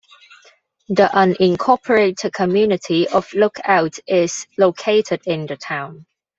The unincorporated community of Lookout is located in the town.